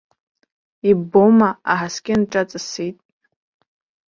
Иббома, аҳаскьын ҿа ҵысит!